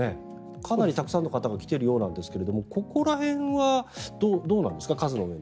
かなりたくさんの方が来ているようなんですがここら辺はどうなんですか？